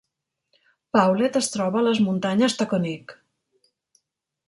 Pawlet es troba a les muntanyes Taconic.